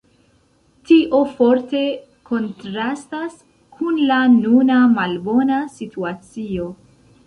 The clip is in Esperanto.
Tio forte kontrastas kun la nuna malbona situacio.